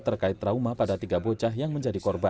terkait trauma pada tiga bocah yang menjadi korban